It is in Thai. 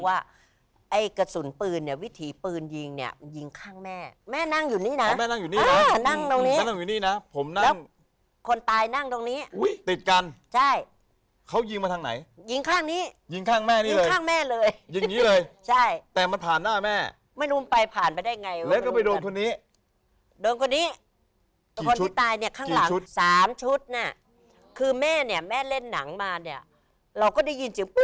ไอ้กระสุนปืนเนี่ยวิถีปืนยิงเนี่ยยิงข้างแม่แม่นั่งอยู่นี้นะแม่นั่งอยู่นี้นะแม่นั่งอยู่นี้นะผมนั่งคนตายนั่งตรงนี้ติดกันใช่เขายิงมาทางไหนยิงข้างนี้ยิงข้างแม่นี้เลยยิงข้างแม่เลยยิงอย่างนี้เลยใช่แต่มันผ่านหน้าแม่ไม่รู้ไปผ่านไปได้ไงแล้วก็ไปโดนคนนี้โดนคนนี้คนที่ตายเนี่ยข้างหลังสามชุดน่ะคือแม่เนี่